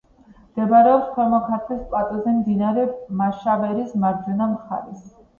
მდებარეობს ქვემო ქართლის პლატოზე, მდინარე მაშავერის მარჯვენა მხარეს.